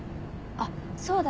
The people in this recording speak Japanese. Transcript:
あっそうだ。